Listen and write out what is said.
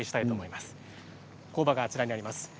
があちらにあります。